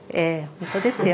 本当ですよ。